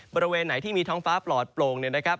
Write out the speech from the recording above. บริเวณไหนที่มีท้องฟ้าปลอดโปร่งเนี่ยนะครับ